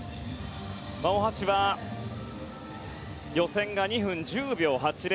大橋は予選が２分１０秒８０。